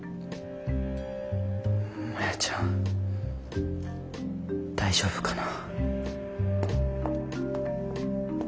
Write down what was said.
マヤちゃん大丈夫かな？